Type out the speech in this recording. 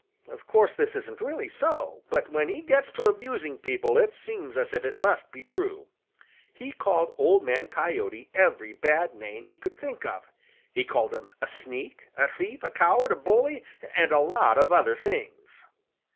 Of course, this isn't really so, but when he gets to abusing people it seems as if it must be true. He called Old Man Coyote every bad name he could think of. He called him a sneak, a thief, a coward, a bully, and a lot of other things.